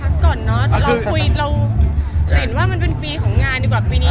ก่อนเนอะเราคุยเราเห็นว่ามันเป็นปีของงานดีกว่าปีนี้